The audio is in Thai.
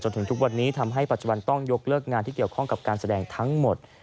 ถึงทุกวันนี้ทำให้ปัจจุบันต้องยกเลิกงานที่เกี่ยวข้องกับการแสดงทั้งหมด